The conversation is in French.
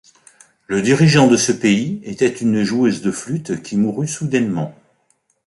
Le dirigeant de ce pays était une joueuse de flûte qui mourut soudainement.